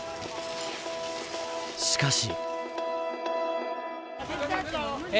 しかし。